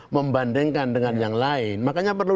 membandingkan dengan yang lain makanya perlu